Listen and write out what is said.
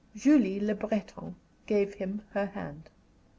Julie Le Breton gave him her hand.